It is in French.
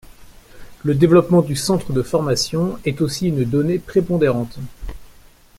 Le développement du centre de formation est aussi une donnée prépondérante.